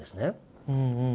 うんうん。